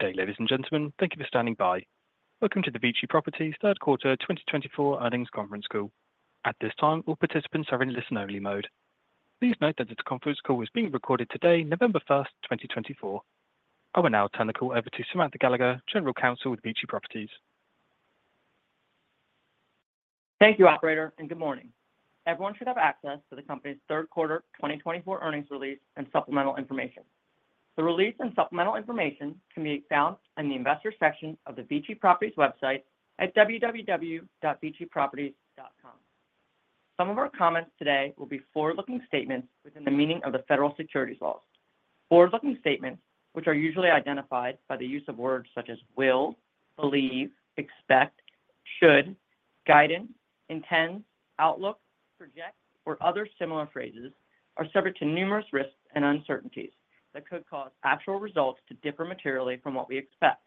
Good day, ladies and gentlemen. Thank you for standing by. Welcome to the VICI Properties third quarter 2024 earnings conference call. At this time, all participants are in listen-only mode. Please note that this conference call is being recorded today, November 1st, 2024. I will now turn the call over to Samantha Gallagher, General Counsel with VICI Properties. Thank you, Operator, and good morning. Everyone should have access to the company's third quarter 2024 earnings release and supplemental information. The release and supplemental information can be found in the investor section of the VICI Properties website at www.viciproperties.com. Some of our comments today will be forward-looking statements within the meaning of the federal securities laws. Forward-looking statements, which are usually identified by the use of words such as will, believe, expect, should, guidance, intends, outlook, projects, or other similar phrases, are subject to numerous risks and uncertainties that could cause actual results to differ materially from what we expect.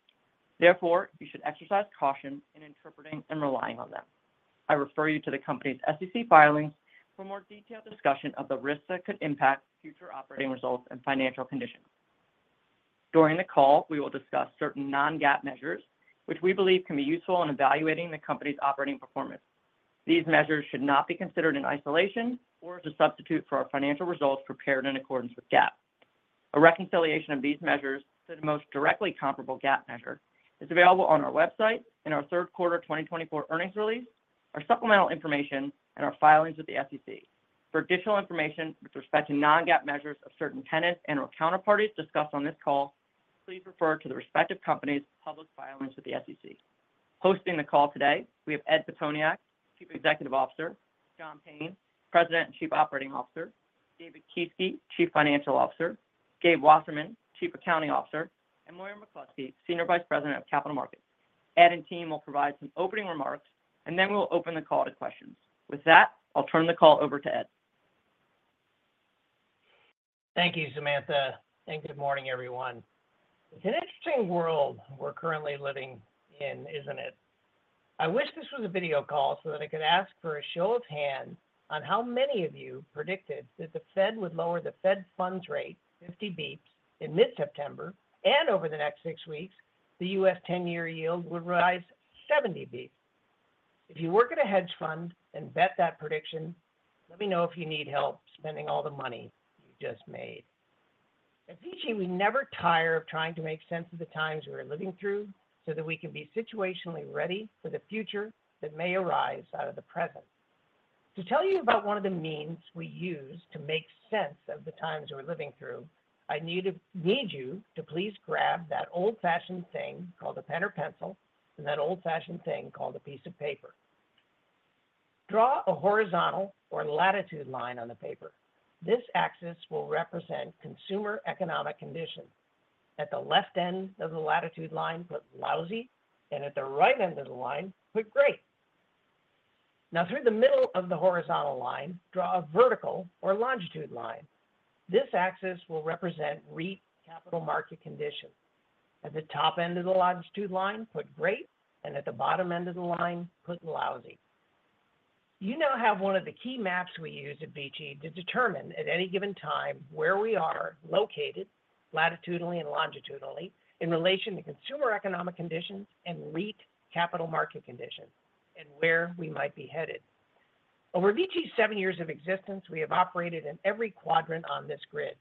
Therefore, you should exercise caution in interpreting and relying on them. I refer you to the company's SEC filings for more detailed discussion of the risks that could impact future operating results and financial conditions. During the call, we will discuss certain non-GAAP measures, which we believe can be useful in evaluating the company's operating performance. These measures should not be considered in isolation or as a substitute for our financial results prepared in accordance with GAAP. A reconciliation of these measures to the most directly comparable GAAP measure is available on our website in our third quarter 2024 earnings release, our supplemental information, and our filings with the SEC. For additional information with respect to non-GAAP measures of certain tenants and/or counterparties discussed on this call, please refer to the respective company's public filings with the SEC. Hosting the call today, we have Ed Pitoniak, Chief Executive Officer, John Payne, President and Chief Operating Officer, David Kieske, Chief Financial Officer, Gabe Wasserman, Chief Accounting Officer, and Moira McCluskey, Senior Vice President of Capital Markets. Ed and team will provide some opening remarks, and then we'll open the call to questions. With that, I'll turn the call over to Ed. Thank you, Samantha, and good morning, everyone. It's an interesting world we're currently living in, isn't it? I wish this was a video call so that I could ask for a show of hands on how many of you predicted that the Fed would lower the Fed funds rate 50 basis points in mid-September and over the next six weeks, the U.S. 10-year yield would rise 70 basis points. If you work at a hedge fund and bet that prediction, let me know if you need help spending all the money you just made. At VICI, we never tire of trying to make sense of the times we're living through so that we can be situationally ready for the future that may arise out of the present. To tell you about one of the means we use to make sense of the times we're living through, I need you to please grab that old-fashioned thing called a pen or pencil and that old-fashioned thing called a piece of paper. Draw a horizontal or latitude line on the paper. This axis will represent consumer economic conditions. At the left end of the latitude line, put lousy, and at the right end of the line, put great. Now, through the middle of the horizontal line, draw a vertical or longitude line. This axis will represent REIT capital market conditions. At the top end of the longitude line, put great, and at the bottom end of the line, put lousy. You now have one of the key maps we use at VICI to determine at any given time where we are located latitudinally and longitudinally in relation to consumer economic conditions and REIT capital market conditions and where we might be headed. Over VICI's seven years of existence, we have operated in every quadrant on this grid,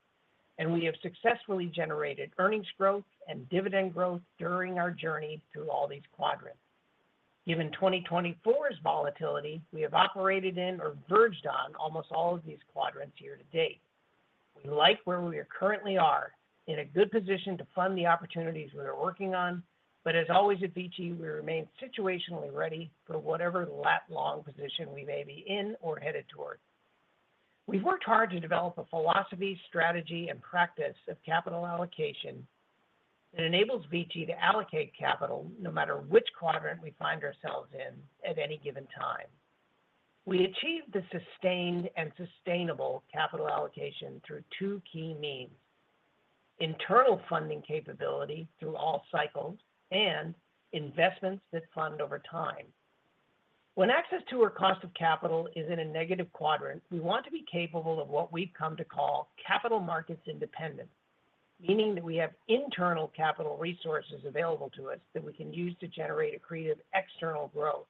and we have successfully generated earnings growth and dividend growth during our journey through all these quadrants. Given 2024's volatility, we have operated in or verged on almost all of these quadrants year to date. We like where we currently are in a good position to fund the opportunities we are working on, but as always at VICI, we remain situationally ready for whatever lat-long position we may be in or headed toward. We've worked hard to develop a philosophy, strategy, and practice of capital allocation that enables VICI to allocate capital no matter which quadrant we find ourselves in at any given time. We achieve the sustained and sustainable capital allocation through two key means: internal funding capability through all cycles and investments that fund over time. When access to or cost of capital is in a negative quadrant, we want to be capable of what we've come to call capital markets independence, meaning that we have internal capital resources available to us that we can use to generate a creative external growth.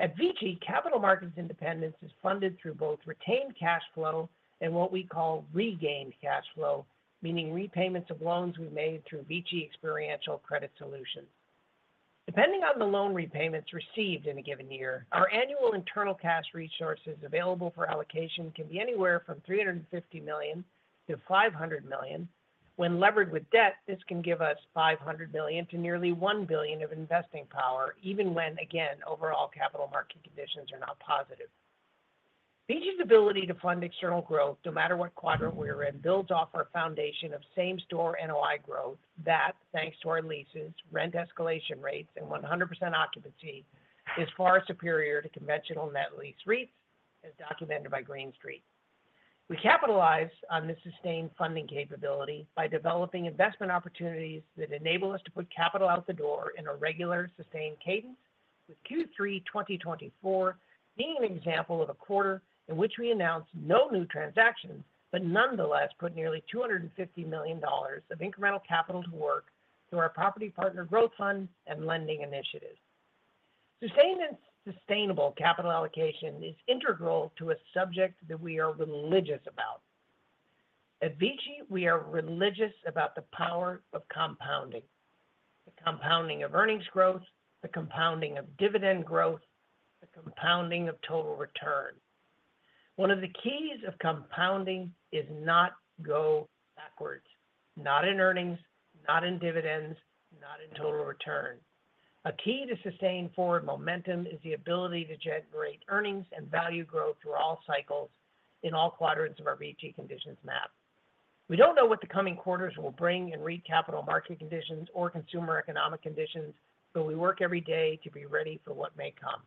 At VICI, capital markets independence is funded through both retained cash flow and what we call regained cash flow, meaning repayments of loans we made through VICI Experiential Credit Solutions. Depending on the loan repayments received in a given year, our annual internal cash resources available for allocation can be anywhere from $350 million to $500 million. When levered with debt, this can give us $500 million to nearly $1 billion of investing power, even when, again, overall capital market conditions are not positive. VICI's ability to fund external growth, no matter what quadrant we're in, builds off our foundation of same-store NOI growth that, thanks to our leases, rent escalation rates, and 100% occupancy, is far superior to conventional net lease rates as documented by Green Street. We capitalize on this sustained funding capability by developing investment opportunities that enable us to put capital out the door in a regular, sustained cadence, with Q3 2024 being an example of a quarter in which we announced no new transactions, but nonetheless put nearly $250 million of incremental capital to work through our property partner growth funds and lending initiatives. Sustained and sustainable capital allocation is integral to a subject that we are religious about. At VICI, we are religious about the power of compounding: the compounding of earnings growth, the compounding of dividend growth, the compounding of total return. One of the keys of compounding is not go backwards, not in earnings, not in dividends, not in total return. A key to sustained forward momentum is the ability to generate earnings and value growth through all cycles in all quadrants of our VICI conditions map. We don't know what the coming quarters will bring in REIT capital market conditions or consumer economic conditions, but we work every day to be ready for what may come.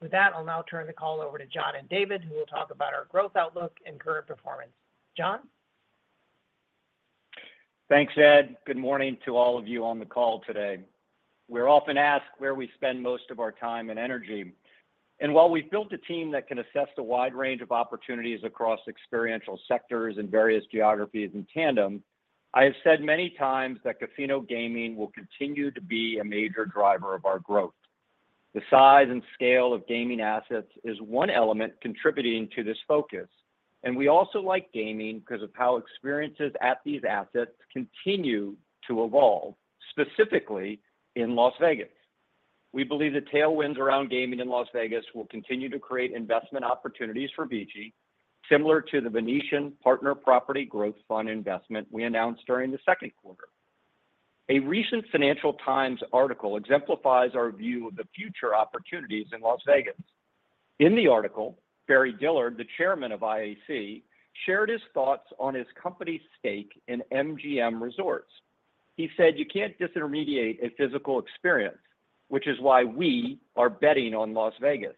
With that, I'll now turn the call over to John and David, who will talk about our growth outlook and current performance. John? Thanks, Ed. Good morning to all of you on the call today. We're often asked where we spend most of our time and energy, and while we've built a team that can assess the wide range of opportunities across experiential sectors and various geographies in tandem, I have said many times that casino gaming will continue to be a major driver of our growth. The size and scale of gaming assets is one element contributing to this focus, and we also like gaming because of how experiences at these assets continue to evolve, specifically in Las Vegas. We believe the tailwinds around gaming in Las Vegas will continue to create investment opportunities for VICI, similar to the Venetian Partner Property Growth Fund investment we announced during the second quarter. A recent Financial Times article exemplifies our view of the future opportunities in Las Vegas. In the article, Barry Diller, the Chairman of IAC, shared his thoughts on his company's stake in MGM Resorts. He said, "You can't disintermediate a physical experience, which is why we are betting on Las Vegas."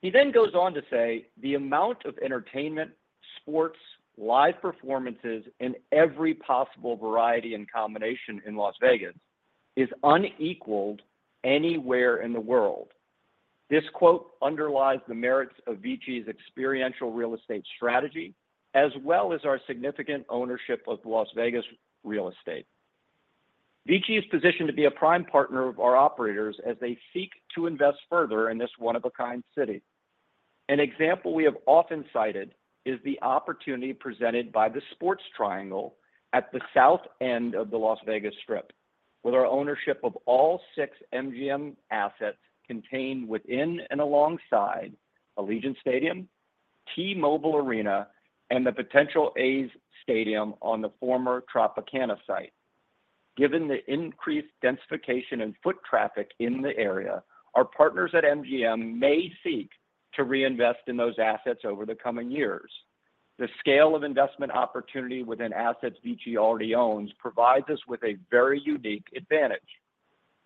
He then goes on to say, "The amount of entertainment, sports, live performances in every possible variety and combination in Las Vegas is unequaled anywhere in the world." This quote underlies the merits of VICI's experiential real estate strategy, as well as our significant ownership of Las Vegas real estate. VICI is positioned to be a prime partner of our operators as they seek to invest further in this one-of-a-kind city. An example we have often cited is the opportunity presented by the Sports Triangle at the south end of the Las Vegas Strip, with our ownership of all six MGM assets contained within and alongside Allegiant Stadium, T-Mobile Arena, and the potential Oakland A's Stadium on the former Tropicana site. Given the increased densification and foot traffic in the area, our partners at MGM may seek to reinvest in those assets over the coming years. The scale of investment opportunity within assets VICI already owns provides us with a very unique advantage.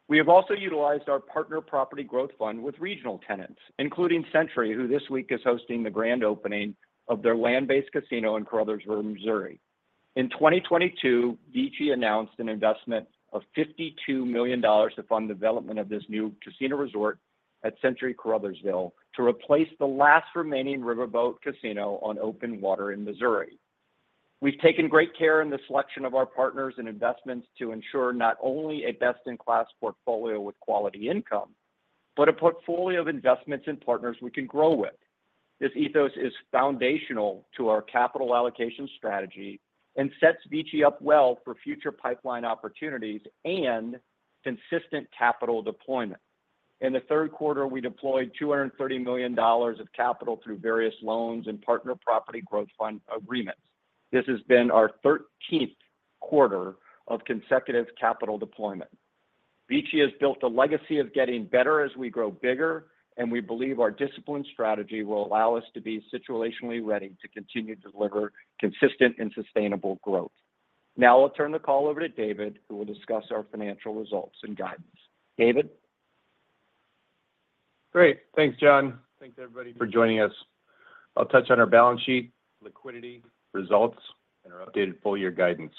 We have also utilized our Partner Property Growth Fund with regional tenants, including Century, who this week is hosting the grand opening of their land-based casino in Caruthersville, Missouri. In 2022, VICI announced an investment of $52 million to fund the development of this new casino resort at Century Caruthersville to replace the last remaining riverboat casino on open water in Missouri. We've taken great care in the selection of our partners and investments to ensure not only a best-in-class portfolio with quality income, but a portfolio of investments and partners we can grow with. This ethos is foundational to our capital allocation strategy and sets VICI up well for future pipeline opportunities and consistent capital deployment. In the third quarter, we deployed $230 million of capital through various loans and partner property growth fund agreements. This has been our 13th quarter of consecutive capital deployment. VICI has built a legacy of getting better as we grow bigger, and we believe our disciplined strategy will allow us to be situationally ready to continue to deliver consistent and sustainable growth. Now I'll turn the call over to David, who will discuss our financial results and guidance. David? Great. Thanks, John. Thanks, everybody, for joining us. I'll touch on our balance sheet, liquidity, results, and our updated full-year guidance.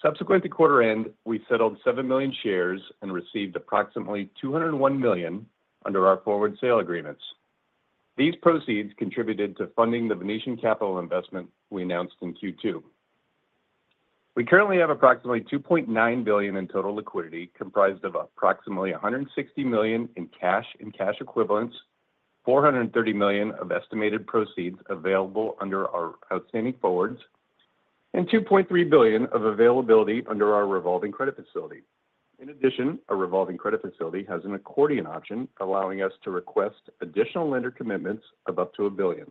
Subsequent to quarter end, we settled seven million shares and received approximately $201 million under our forward sale agreements. These proceeds contributed to funding the Venetian Capital Investment we announced in Q2. We currently have approximately $2.9 billion in total liquidity, comprised of approximately $160 million in cash and cash equivalents, $430 million of estimated proceeds available under our outstanding forwards, and $2.3 billion of availability under our revolving credit facility. In addition, our revolving credit facility has an accordion option allowing us to request additional lender commitments of up to $1 billion.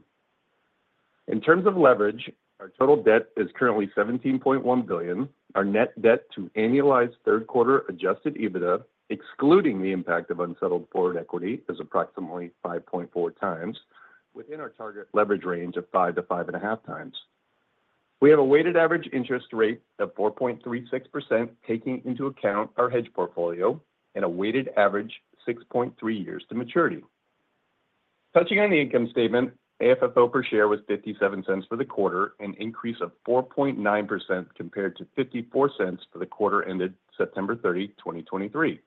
In terms of leverage, our total debt is currently $17.1 billion. Our net debt to annualized third-quarter adjusted EBITDA, excluding the impact of unsettled forward equity, is approximately 5.4x within our target leverage range of 5x-5.5x. We have a weighted average interest rate of 4.36%, taking into account our hedge portfolio and a weighted average 6.3 years to maturity. Touching on the income statement, AFFO per share was $0.57 for the quarter, an increase of 4.9% compared to $0.54 for the quarter ended September 30, 2023.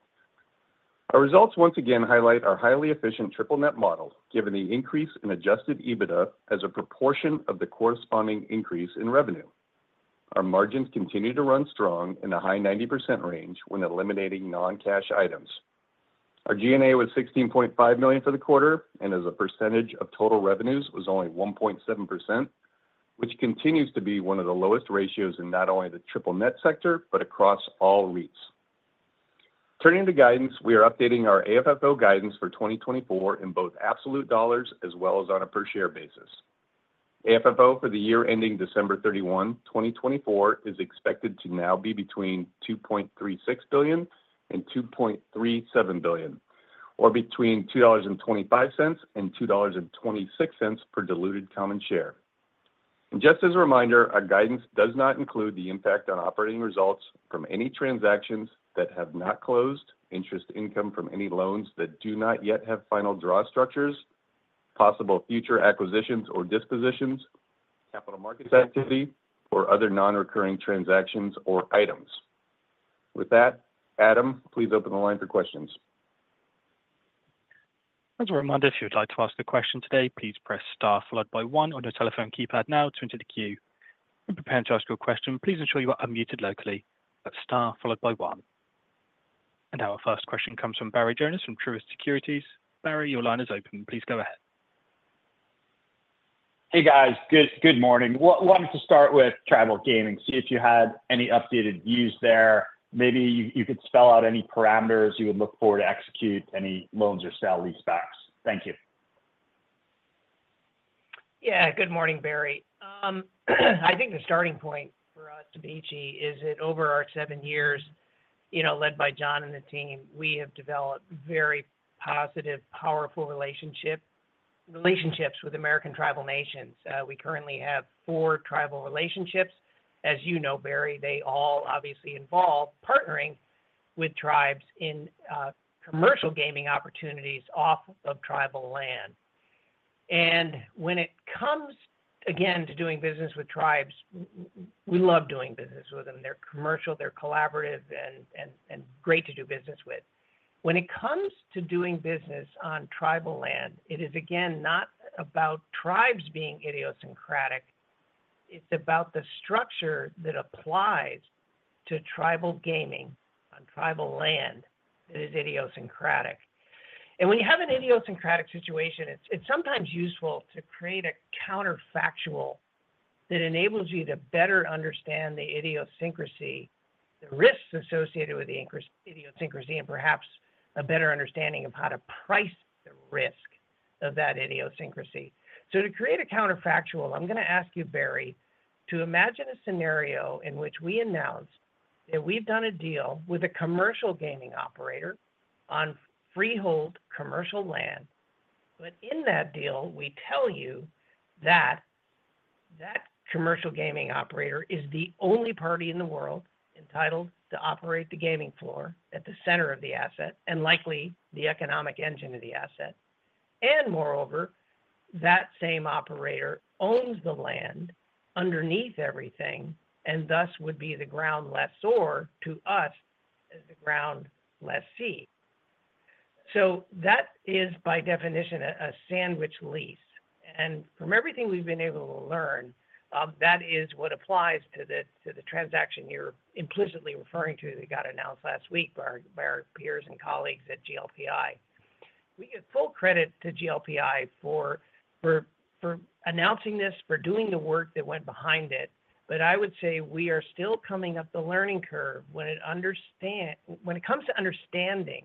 Our results once again highlight our highly efficient triple net model, given the increase in adjusted EBITDA as a proportion of the corresponding increase in revenue. Our margins continue to run strong in the high 90% range when eliminating non-cash items. Our G&A was $16.5 million for the quarter, and as a percentage of total revenues, it was only 1.7%, which continues to be one of the lowest ratios in not only the triple net sector, but across all REITs. Turning to guidance, we are updating our AFFO guidance for 2024 in both absolute dollars as well as on a per-share basis. AFFO for the year ending December 31, 2024, is expected to now be between $2.36 billion and $2.37 billion, or between $2.25 and $2.26 per diluted common share. And just as a reminder, our guidance does not include the impact on operating results from any transactions that have not closed, interest income from any loans that do not yet have final draw structures, possible future acquisitions or dispositions, capital markets activity, or other non-recurring transactions or items. With that, Adam, please open the line for questions. As a reminder, if you'd like to ask a question today, please press star followed by one on your telephone keypad now to enter the queue. If you're preparing to ask your question, please ensure you are unmuted locally. That's star followed by one. And our first question comes from Barry Jonas from Truist Securities. Barry, your line is open. Please go ahead. Hey, guys. Good morning. Wanted to start with tribal gaming, see if you had any updated views there. Maybe you could spell out any parameters you would look for to execute any loans or sell lease backs. Thank you. Yeah. Good morning, Barry. I think the starting point for us at VICI is that over our seven years, you know, led by John and the team, we have developed very positive, powerful relationships with American tribal nations. We currently have four tribal relationships. As you know, Barry, they all obviously involve partnering with tribes in commercial gaming opportunities off of tribal land. And when it comes, again, to doing business with tribes, we love doing business with them. They're commercial, they're collaborative, and great to do business with. When it comes to doing business on tribal land, it is, again, not about tribes being idiosyncratic. It's about the structure that applies to tribal gaming on tribal land that is idiosyncratic. And when you have an idiosyncratic situation, it's sometimes useful to create a counterfactual that enables you to better understand the idiosyncrasy, the risks associated with the idiosyncrasy, and perhaps a better understanding of how to price the risk of that idiosyncrasy. So to create a counterfactual, I'm going to ask you, Barry, to imagine a scenario in which we announce that we've done a deal with a commercial gaming operator on freehold commercial land. But in that deal, we tell you that that commercial gaming operator is the only party in the world entitled to operate the gaming floor at the center of the asset and likely the economic engine of the asset. And moreover, that same operator owns the land underneath everything and thus would be the ground lessor to us as the ground lessee. So that is, by definition, a sandwich lease. From everything we've been able to learn, that is what applies to the transaction you're implicitly referring to that got announced last week by our peers and colleagues at GLPI. We give full credit to GLPI for announcing this, for doing the work that went behind it. But I would say we are still coming up the learning curve when it comes to understanding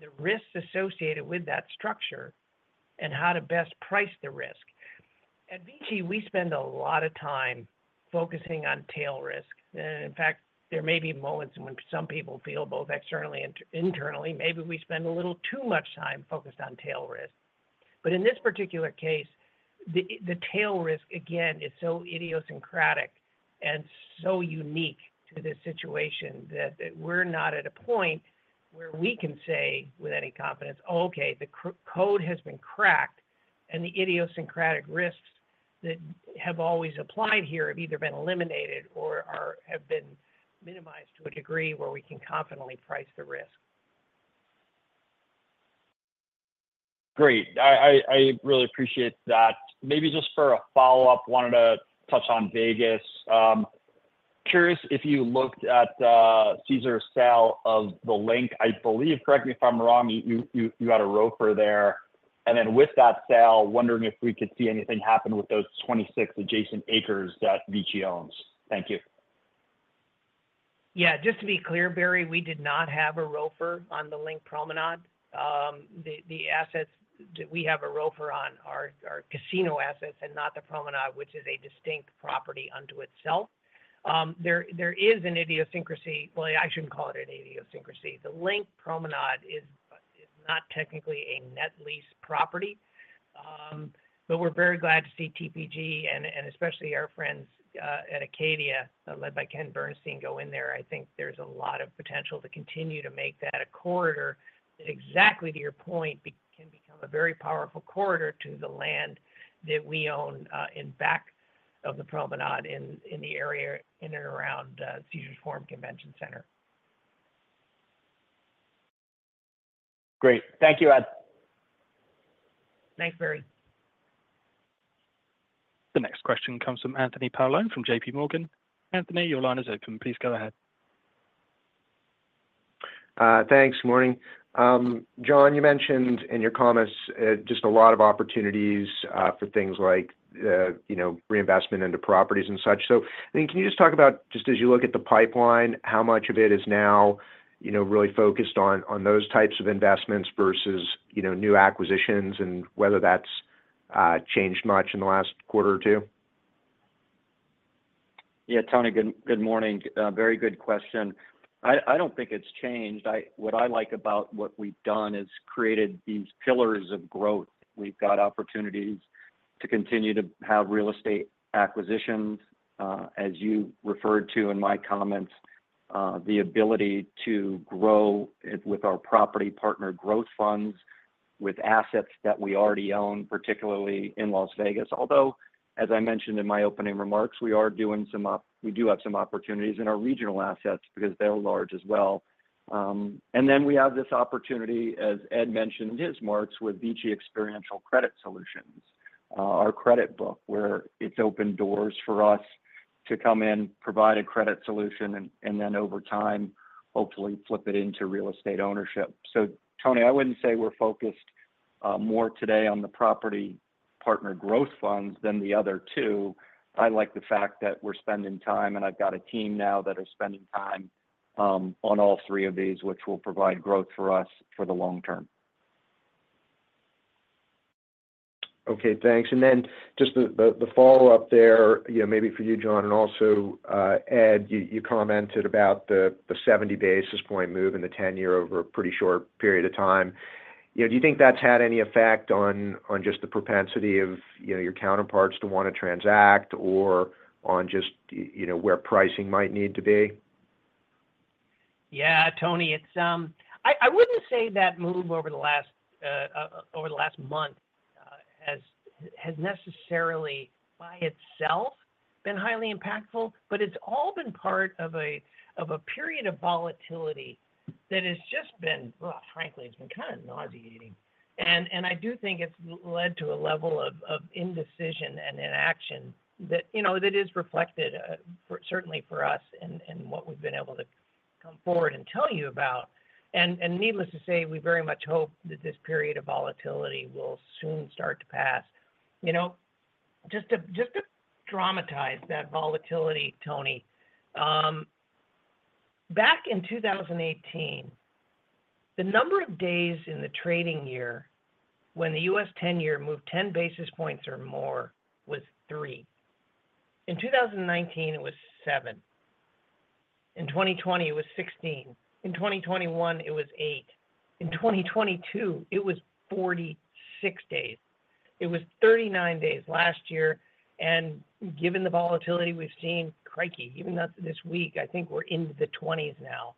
the risks associated with that structure and how to best price the risk. At VICI, we spend a lot of time focusing on tail risk. In fact, there may be moments when some people feel both externally and internally, maybe we spend a little too much time focused on tail risk. But in this particular case, the tail risk, again, is so idiosyncratic and so unique to this situation that we're not at a point where we can say with any confidence, "Oh, okay, the code has been cracked," and the idiosyncratic risks that have always applied here have either been eliminated or have been minimized to a degree where we can confidently price the risk. Great. I really appreciate that. Maybe just for a follow-up, wanted to touch on Vegas. Curious if you looked at Caesars' sale of The LINQ, I believe. Correct me if I'm wrong. You had a ROFR there. And then with that sale, wondering if we could see anything happen with those 26 adjacent acres that VICI owns. Thank you. Yeah. Just to be clear, Barry, we did not have a ROFR on The LINQ Promenade. The assets that we have a ROFR on are casino assets and not the Promenade, which is a distinct property unto itself. There is an idiosyncrasy. I shouldn't call it an idiosyncrasy. The LINQ Promenade is not technically a net lease property. But we're very glad to see TPG and especially our friends at Acadia, led by Ken Bernstein, go in there. I think there's a lot of potential to continue to make that a corridor that, exactly to your point, can become a very powerful corridor to the land that we own in back of the promenade in the area in and around Caesars Forum Convention Center. Great. Thank you, Ed. Thanks, Barry. The next question comes from Anthony Paolone from JPMorgan. Anthony, your line is open. Please go ahead. Thanks. Good morning. John, you mentioned in your comments just a lot of opportunities for things like reinvestment into properties and such. So I mean, can you just talk about, just as you look at the pipeline, how much of it is now really focused on those types of investments versus new acquisitions and whether that's changed much in the last quarter or two? Yeah. Tony, good morning. Very good question. I don't think it's changed. What I like about what we've done is created these pillars of growth. We've got opportunities to continue to have real estate acquisitions. As you referred to in my comments, the ability to grow with our property partner growth funds with assets that we already own, particularly in Las Vegas. Although, as I mentioned in my opening remarks, we do have some opportunities in our regional assets because they're large as well. And then we have this opportunity, as Ed mentioned in his remarks, with VICI Experiential Credit Solutions, our credit book, where it's opened doors for us to come in, provide a credit solution, and then over time, hopefully flip it into real estate ownership. So Tony, I wouldn't say we're focused more today on the property partner growth funds than the other two. I like the fact that we're spending time, and I've got a team now that is spending time on all three of these, which will provide growth for us for the long term. Okay. Thanks. And then just the follow-up there, maybe for you, John, and also, Ed, you commented about the 70 basis point move and the 10-year over a pretty short period of time. Do you think that's had any effect on just the propensity of your counterparts to want to transact or on just where pricing might need to be? Yeah. Tony, I wouldn't say that move over the last month has necessarily by itself been highly impactful, but it's all been part of a period of volatility that has just been, well, frankly, it's been kind of nauseating. And I do think it's led to a level of indecision and inaction that is reflected certainly for us and what we've been able to come forward and tell you about. And needless to say, we very much hope that this period of volatility will soon start to pass. Just to dramatize that volatility, Tony, back in 2018, the number of days in the trading year when the U.S. 10-year moved 10 basis points or more was three. In 2019, it was seven. In 2020, it was 16. In 2021, it was eight. In 2022, it was 46 days. It was 39 days last year. Given the volatility we've seen, the VIX even this week, I think we're into the 20s now.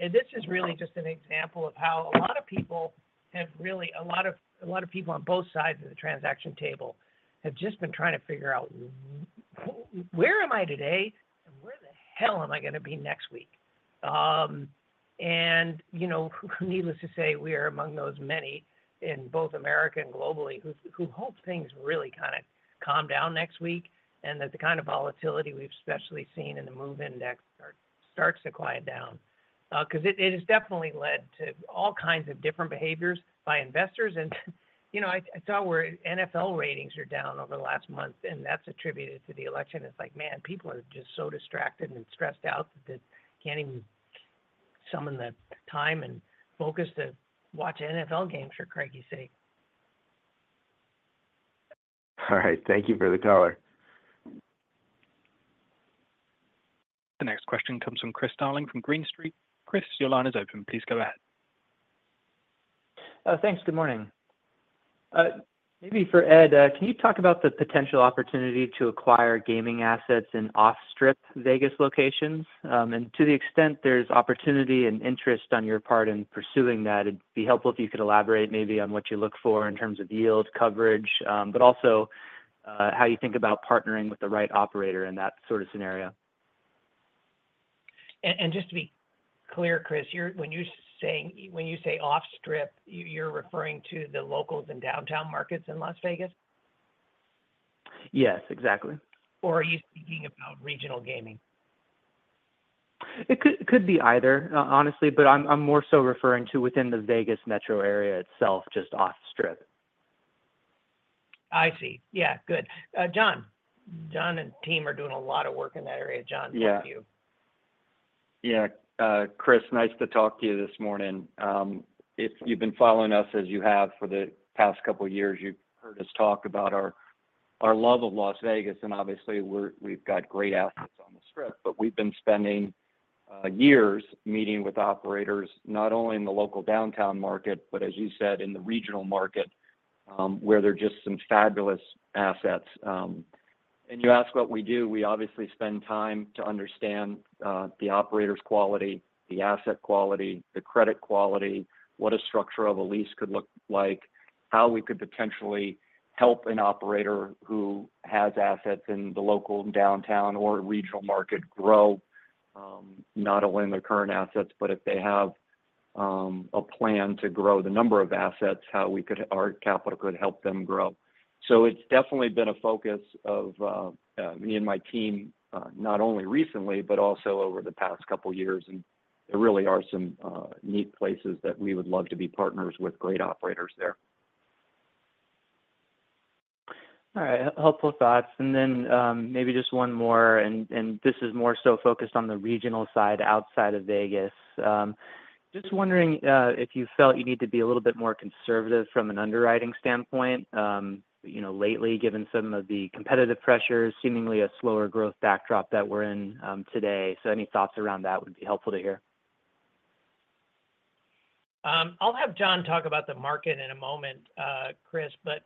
This is really just an example of how a lot of people have really, a lot of people on both sides of the transaction table have just been trying to figure out, "Where am I today? And where the hell am I going to be next week?" Needless to say, we are among those many in both America and globally who hope things really kind of calm down next week and that the kind of volatility we've especially seen in the MOVE Index starts to quiet down. Because it has definitely led to all kinds of different behaviors by investors. I saw where NFL ratings are down over the last month, and that's attributed to the election. It's like, man, people are just so distracted and stressed out that they can't even summon the time and focus to watch NFL games for cranky's sake. All right. Thank you for the color. The next question comes from Chris Darling from Green Street. Chris, your line is open. Please go ahead. Thanks. Good morning. Maybe for Ed, can you talk about the potential opportunity to acquire gaming assets in off-strip Vegas locations? And to the extent there's opportunity and interest on your part in pursuing that, it'd be helpful if you could elaborate maybe on what you look for in terms of yield coverage, but also how you think about partnering with the right operator in that sort of scenario. Just to be clear, Chris, when you say off-strip, you're referring to the locals and downtown markets in Las Vegas? Yes, exactly. Or are you speaking about regional gaming? It could be either, honestly, but I'm more so referring to within the Vegas metro area itself, just off-strip. I see. Yeah. Good. John and team are doing a lot of work in that area. John, thank you. Yeah. Yeah. Chris, nice to talk to you this morning. If you've been following us as you have for the past couple of years, you've heard us talk about our love of Las Vegas. And obviously, we've got great assets on the Strip. But we've been spending years meeting with operators not only in the local downtown market, but as you said, in the regional market where there are just some fabulous assets. And you ask what we do. We obviously spend time to understand the operator's quality, the asset quality, the credit quality, what a structure of a lease could look like, how we could potentially help an operator who has assets in the local downtown or regional market grow, not only in their current assets, but if they have a plan to grow the number of assets, how our capital could help them grow. So it's definitely been a focus of me and my team, not only recently, but also over the past couple of years. And there really are some neat places that we would love to be partners with great operators there. All right. Helpful thoughts, and then maybe just one more, and this is more so focused on the regional side outside of Vegas. Just wondering if you felt you need to be a little bit more conservative from an underwriting standpoint lately, given some of the competitive pressures, seemingly a slower growth backdrop that we're in today, so any thoughts around that would be helpful to hear. I'll have John talk about the market in a moment, Chris, but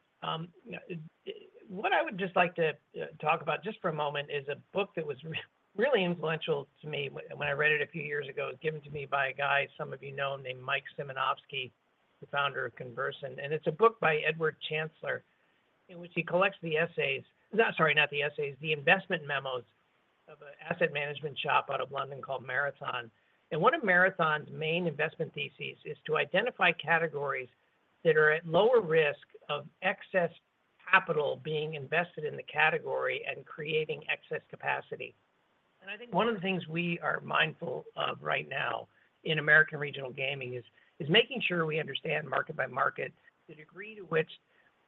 what I would just like to talk about just for a moment is a book that was really influential to me when I read it a few years ago. It was given to me by a guy some of you know named Mike Simanovsky, the founder of Conversant. And it's a book by Edward Chancellor in which he collects the essays, sorry, not the essays, the investment memos of an asset management shop out of London called Marathon, and one of Marathon's main investment theses is to identify categories that are at lower risk of excess capital being invested in the category and creating excess capacity. And I think one of the things we are mindful of right now in American regional gaming is making sure we understand market by market the degree to which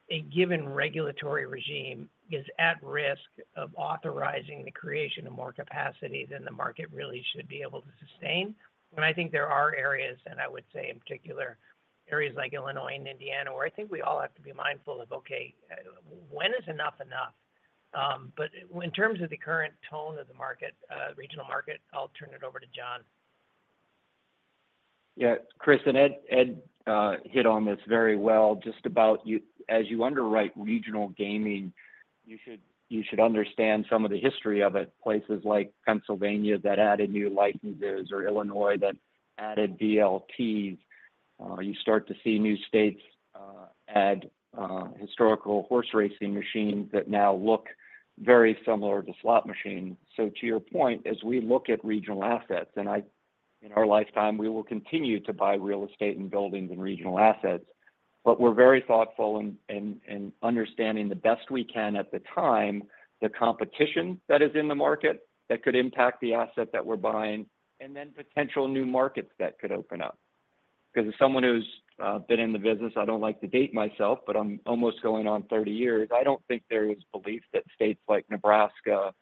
a given regulatory regime is at risk of authorizing the creation of more capacity than the market really should be able to sustain. And I think there are areas, and I would say in particular, areas like Illinois and Indiana where I think we all have to be mindful of, "Okay, when is enough enough?" But in terms of the current tone of the regional market, I'll turn it over to John. Yeah. Chris and Ed hit on this very well. Just about as you underwrite regional gaming, you should understand some of the history of it. Places like Pennsylvania that added new licenses or Illinois that added BLTs. You start to see new states add historical horse racing machines that now look very similar to slot machines. So to your point, as we look at regional assets, and in our lifetime, we will continue to buy real estate and buildings and regional assets, but we're very thoughtful in understanding the best we can at the time, the competition that is in the market that could impact the asset that we're buying, and then potential new markets that could open up. Because as someone who's been in the business, I don't like to date myself, but I'm almost going on 30 years. I don't think there is belief that states like Nebraska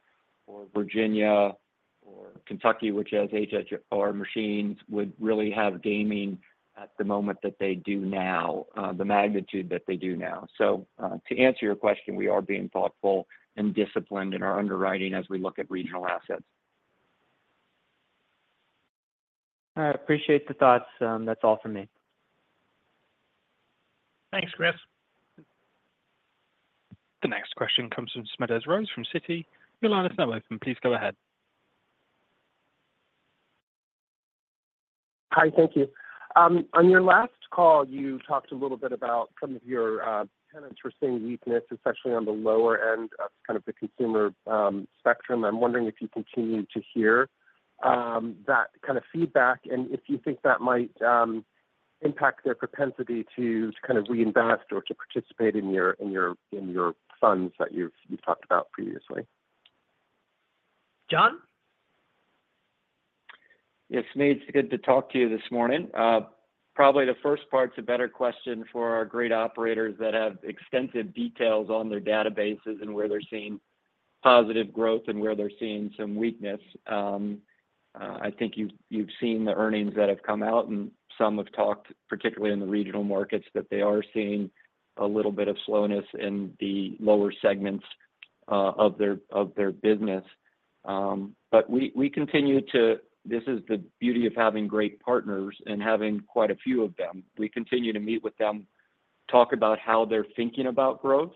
or Virginia or Kentucky, which has HHR machines, would really have gaming at the moment that they do now, the magnitude that they do now. So to answer your question, we are being thoughtful and disciplined in our underwriting as we look at regional assets. I appreciate the thoughts. That's all for me. Thanks, Chris. The next question comes from Smedes Rose from Citi. Your line is now open. Please go ahead. Hi. Thank you. On your last call, you talked a little bit about some of your tenants foreseeing weakness, especially on the lower end of kind of the consumer spectrum. I'm wondering if you continue to hear that kind of feedback and if you think that might impact their propensity to kind of reinvest or to participate in your funds that you've talked about previously? John? Yes, Smedes, it's good to talk to you this morning. Probably the first part's a better question for our great operators that have extensive details on their databases and where they're seeing positive growth and where they're seeing some weakness. I think you've seen the earnings that have come out, and some have talked, particularly in the regional markets, that they are seeing a little bit of slowness in the lower segments of their business. But we continue to. This is the beauty of having great partners and having quite a few of them. We continue to meet with them, talk about how they're thinking about growth,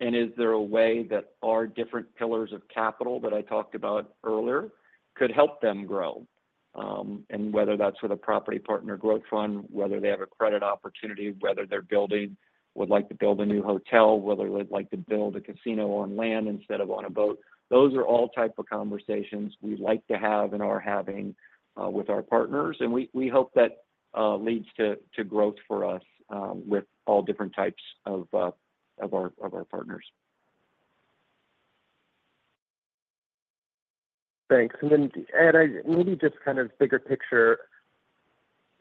and is there a way that our different pillars of capital that I talked about earlier could help them grow? And whether that's with a Partner Property Growth Fund, whether they have a credit opportunity, whether they would like to build a new hotel, whether they'd like to build a casino on land instead of on a boat. Those are all types of conversations we like to have and are having with our partners. And we hope that leads to growth for us with all different types of our partners. Thanks. And then, Ed, maybe just kind of bigger picture,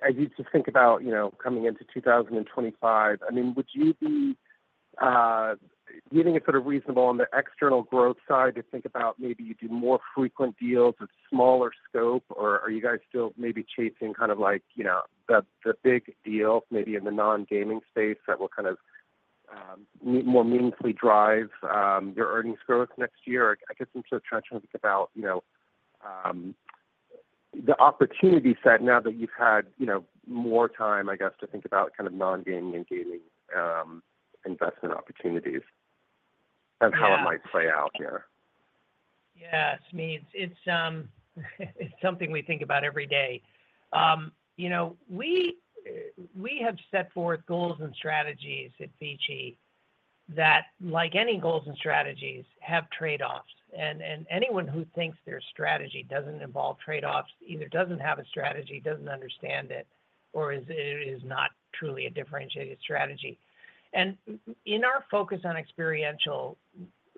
as you just think about coming into 2025, I mean, would you be, do you think it's sort of reasonable on the external growth side to think about maybe you do more frequent deals with smaller scope? Or are you guys still maybe chasing kind of like the big deals, maybe in the non-gaming space that will kind of more meaningfully drive your earnings growth next year? I guess I'm just trying to think about the opportunity set now that you've had more time, I guess, to think about kind of non-gaming and gaming investment opportunities and how it might play out here. Yeah. Smedes, it's something we think about every day. We have set forth goals and strategies at VICI that, like any goals and strategies, have trade-offs. And anyone who thinks their strategy doesn't involve trade-offs either doesn't have a strategy, doesn't understand it, or it is not truly a differentiated strategy. And in our focus on experiential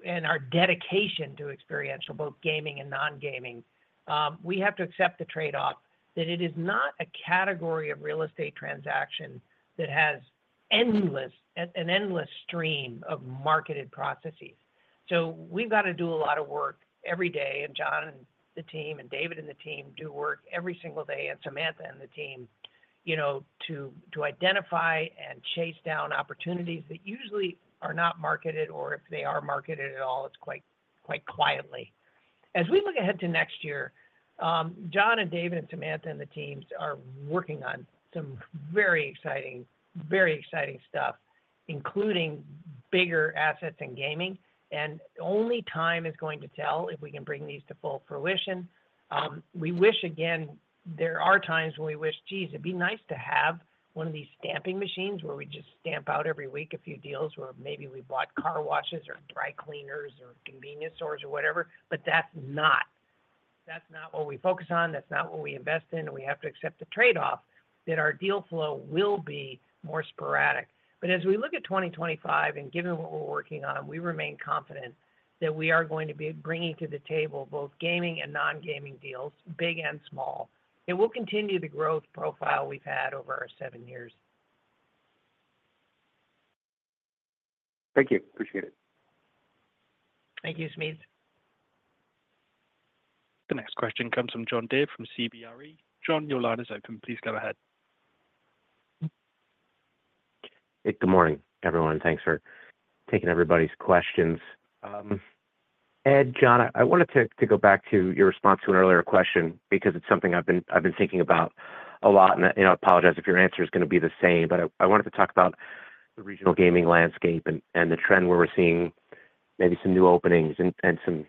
and our dedication to experiential, both gaming and non-gaming, we have to accept the trade-off that it is not a category of real estate transaction that has an endless stream of marketed processes. So we've got to do a lot of work every day. And John and the team and David and the team do work every single day and Samantha and the team to identify and chase down opportunities that usually are not marketed or, if they are marketed at all, it's quite quietly. As we look ahead to next year, John and David and Samantha and the teams are working on some very exciting, very exciting stuff, including bigger assets in gaming. Only time is going to tell if we can bring these to full fruition. We wish, again, there are times when we wish, "Geez, it'd be nice to have one of these stamping machines where we just stamp out every week a few deals where maybe we bought car washes or dry cleaners or convenience stores or whatever." But that's not what we focus on. That's not what we invest in. We have to accept the trade-off that our deal flow will be more sporadic. But as we look at 2025 and given what we're working on, we remain confident that we are going to be bringing to the table both gaming and non-gaming deals, big and small. It will continue the growth profile we've had over our seven years. Thank you. Appreciate it. Thank you, Smedes. The next question comes from John DeCree from CBRE. John, your line is open. Please go ahead. Hey, good morning, everyone. Thanks for taking everybody's questions. Ed, John, I wanted to go back to your response to an earlier question because it's something I've been thinking about a lot, and I apologize if your answer is going to be the same, but I wanted to talk about the regional gaming landscape and the trend where we're seeing maybe some new openings and some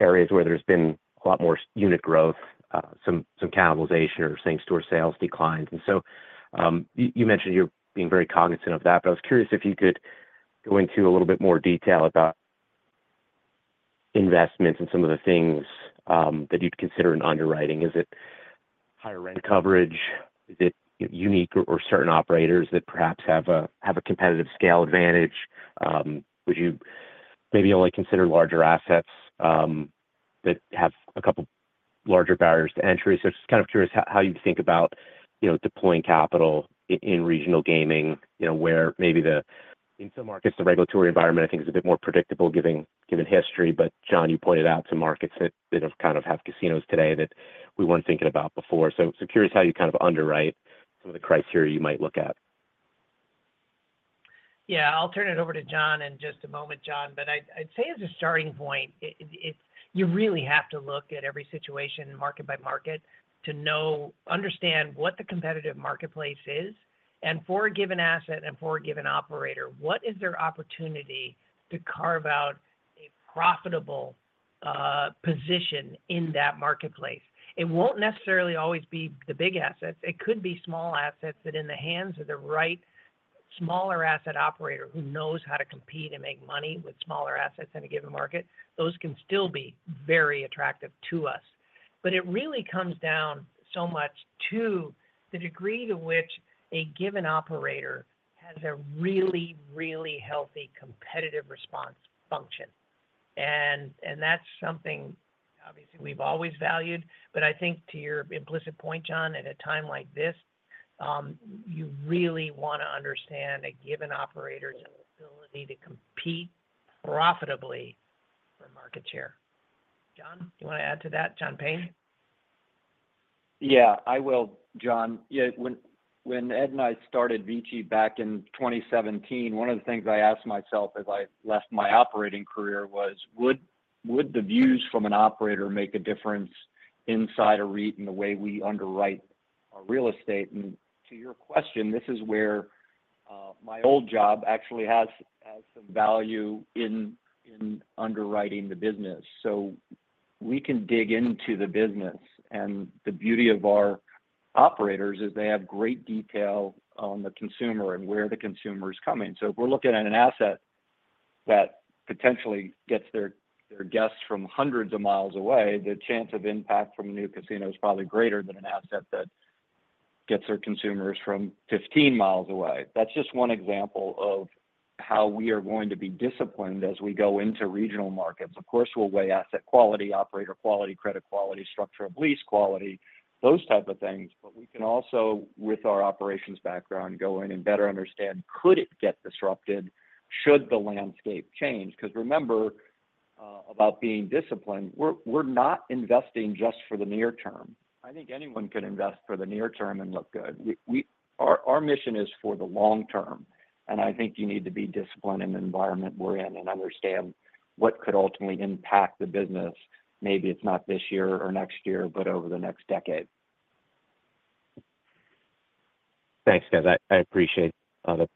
areas where there's been a lot more unit growth, some cannibalization or same-store sales declines, and so you mentioned you're being very cognizant of that, but I was curious if you could go into a little bit more detail about investments and some of the things that you'd consider in underwriting. Is it higher rent coverage? Is it unique or certain operators that perhaps have a competitive scale advantage? Would you maybe only consider larger assets that have a couple of larger barriers to entry? So just kind of curious how you think about deploying capital in regional gaming where maybe in some markets the regulatory environment, I think, is a bit more predictable given history. But John, you pointed out some markets that kind of have casinos today that we weren't thinking about before. So curious how you kind of underwrite some of the criteria you might look at? Yeah. I'll turn it over to John in just a moment, John. But I'd say as a starting point, you really have to look at every situation market by market to understand what the competitive marketplace is. And for a given asset and for a given operator, what is their opportunity to carve out a profitable position in that marketplace? It won't necessarily always be the big assets. It could be small assets that in the hands of the right smaller asset operator who knows how to compete and make money with smaller assets in a given market, those can still be very attractive to us. But it really comes down so much to the degree to which a given operator has a really, really healthy competitive response function. And that's something obviously we've always valued. But I think to your implicit point, John, at a time like this, you really want to understand a given operator's ability to compete profitably for market share. John, do you want to add to that? John Payne? Yeah, I will, John. When Ed and I started VICI back in 2017, one of the things I asked myself as I left my operating career was, "Would the views from an operator make a difference inside a REIT in the way we underwrite our real estate?" And to your question, this is where my old job actually has some value in underwriting the business. So we can dig into the business. And the beauty of our operators is they have great detail on the consumer and where the consumer is coming. So if we're looking at an asset that potentially gets their guests from hundreds of miles away, the chance of impact from a new casino is probably greater than an asset that gets their consumers from 15 miles away. That's just one example of how we are going to be disciplined as we go into regional markets. Of course, we'll weigh asset quality, operator quality, credit quality, structure of lease quality, those types of things. But we can also, with our operations background, go in and better understand, "Could it get disrupted? Should the landscape change?" Because remember, about being disciplined, we're not investing just for the near term. I think anyone can invest for the near term and look good. Our mission is for the long term. And I think you need to be disciplined in the environment we're in and understand what could ultimately impact the business. Maybe it's not this year or next year, but over the next decade. Thanks, guys. I appreciate the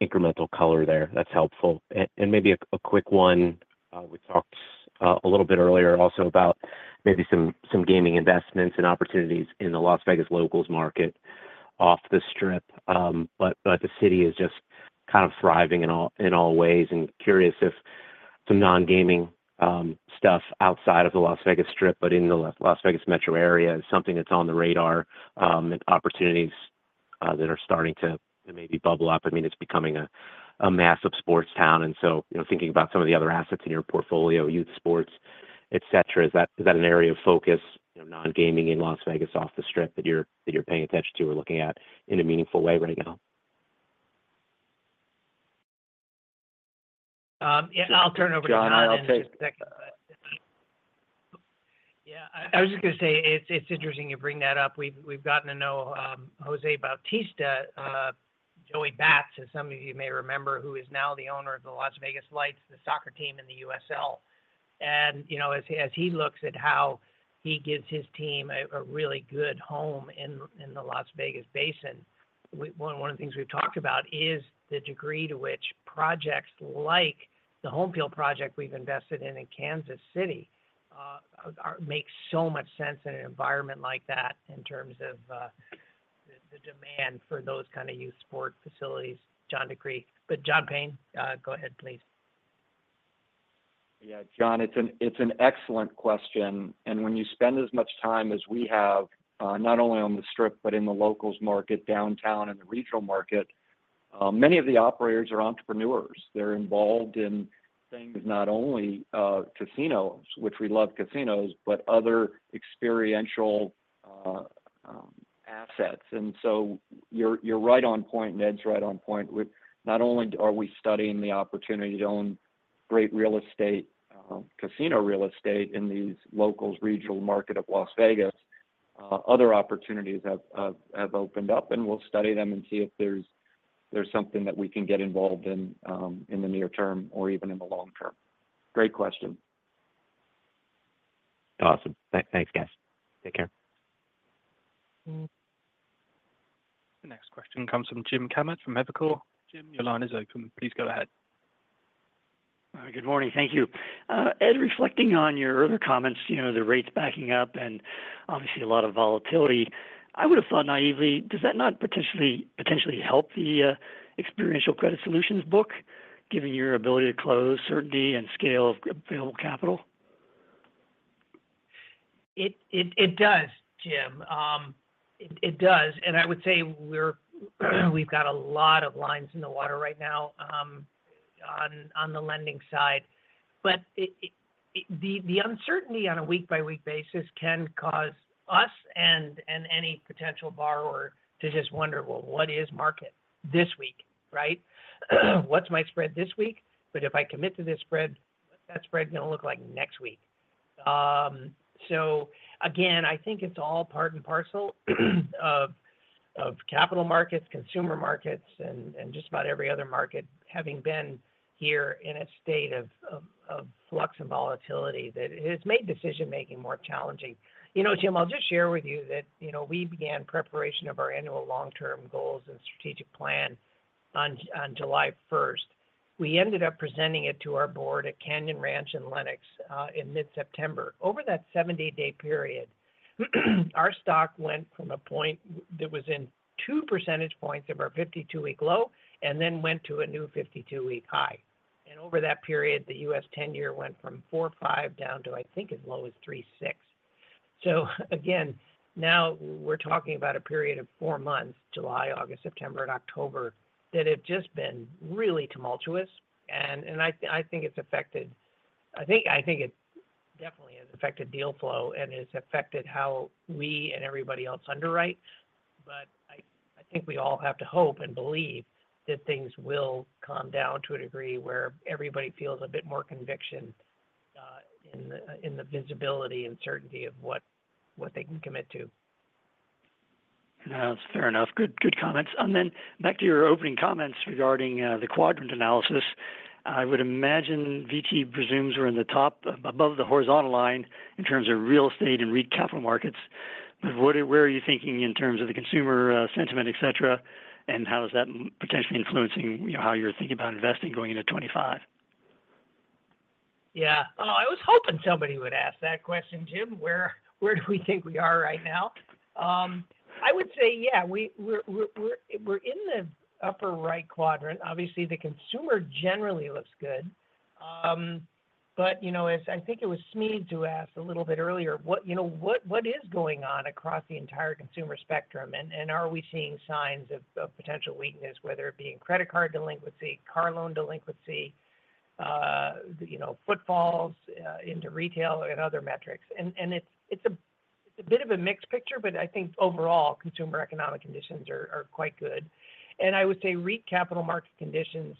incremental color there. That's helpful, and maybe a quick one. We talked a little bit earlier also about maybe some gaming investments and opportunities in the Las Vegas locals market off the Strip, but the city is just kind of thriving in all ways, and curious if some non-gaming stuff outside of the Las Vegas Strip, but in the Las Vegas metro area, is something that's on the radar and opportunities that are starting to maybe bubble up. I mean, it's becoming a massive sports town, and so thinking about some of the other assets in your portfolio, youth sports, etc., is that an area of focus, non-gaming in Las Vegas off the Strip that you're paying attention to or looking at in a meaningful way right now? Yeah. I'll turn it over to John. John, I'll take it. Yeah. I was just going to say it's interesting you bring that up. We've gotten to know José Bautista, Joey Bats, as some of you may remember, who is now the owner of the Las Vegas Lights, the soccer team in the USL. And as he looks at how he gives his team a really good home in the Las Vegas Basin, one of the things we've talked about is the degree to which projects like the Homefield project we've invested in in Kansas City make so much sense in an environment like that in terms of the demand for those kinds of youth sport facilities. John, I agree. But John Payne, go ahead, please. Yeah. John, it's an excellent question. And when you spend as much time as we have, not only on the Strip, but in the locals market, downtown, and the regional market, many of the operators are entrepreneurs. They're involved in things not only casinos, which we love casinos, but other experiential assets. And so you're right on point, and Ed's right on point. Not only are we studying the opportunity to own great real estate, casino real estate in these locals, regional market of Las Vegas. Other opportunities have opened up. And we'll study them and see if there's something that we can get involved in in the near term or even in the long term. Great question. Awesome. Thanks, guys. Take care. The next question comes from Jim Kammert from Evercore ISI. Jim, your line is open. Please go ahead. Good morning. Thank you. Ed, reflecting on your earlier comments, the rates backing up and obviously a lot of volatility, I would have thought naively, does that not potentially help the experiential credit solutions book, given your ability to close certainty and scale of available capital? It does, Jim. It does. And I would say we've got a lot of lines in the water right now on the lending side. But the uncertainty on a week-by-week basis can cause us and any potential borrower to just wonder, "Well, what is market this week?" Right? What's my spread this week? But if I commit to this spread, what's that spread going to look like next week? So again, I think it's all part and parcel of capital markets, consumer markets, and just about every other market having been here in a state of flux and volatility that has made decision-making more challenging. You know, Jim, I'll just share with you that we began preparation of our annual long-term goals and strategic plan on July 1st. We ended up presenting it to our board at Canyon Ranch in Lenox in mid-September. Over that 70-day period, our stock went from a point that was in two percentage points of our 52-week low and then went to a new 52-week high, and over that period, the U.S. 10-year went from 4.5% down to, I think, as low as 3.6%, so again, now we're talking about a period of four months, July, August, September, and October that have just been really tumultuous, and I think it's affected, I think it definitely has affected deal flow and has affected how we and everybody else underwrite, but I think we all have to hope and believe that things will calm down to a degree where everybody feels a bit more conviction in the visibility and certainty of what they can commit to. That's fair enough. Good comments. And then back to your opening comments regarding the quadrant analysis. I would imagine VICI presumes we're in the top above the horizontal line in terms of real estate and REIT capital markets. But where are you thinking in terms of the consumer sentiment, etc., and how is that potentially influencing how you're thinking about investing going into 2025? Yeah. Oh, I was hoping somebody would ask that question, Jim. Where do we think we are right now? I would say, yeah, we're in the upper right quadrant. Obviously, the consumer generally looks good, but I think it was Smedes who asked a little bit earlier, "What is going on across the entire consumer spectrum? And are we seeing signs of potential weakness, whether it be in credit card delinquency, car loan delinquency, footfalls into retail, and other metrics?" and it's a bit of a mixed picture, but I think overall, consumer economic conditions are quite good, and I would say REIT capital market conditions